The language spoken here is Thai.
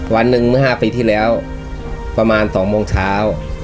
วันหนึ่งเมื่อ๕ปีที่แล้วประมาณ๒โมงเช้า